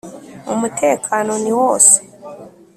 umutekano niwose.